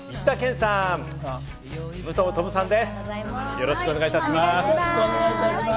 よろしくお願いします。